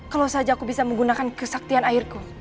kalau saja aku bisa menggunakan kesaktian airku